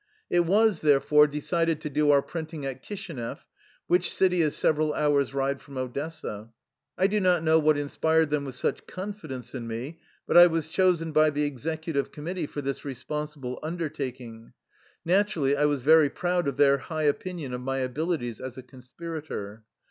It was, therefore, decided to do our printing at Kishinev, which city is several hours^ ride from Odessa. I do not know what inspired them with such confidence in me, but I was chosen by the executive committee for this re sponsible undertaking. Naturally, I was very proud of their high opinion of my abilities as a conspirator.